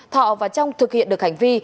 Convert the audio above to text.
thọ và trong thực hiện được hành vi